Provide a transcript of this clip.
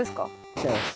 「違います」。